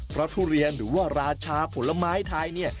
เพราะทุเรียนหรือว่าราชาผลไม้ไทย